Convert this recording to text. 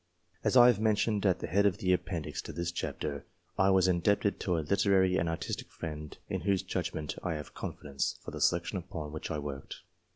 As I have mentioned at the head of the appendix to this chapter, I was indebted to a literary and artistic friend in whose judgment I have confidence, for the selection upon which I worked.